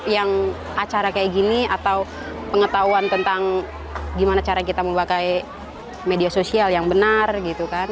yang acara kayak gini atau pengetahuan tentang gimana cara kita memakai media sosial yang benar gitu kan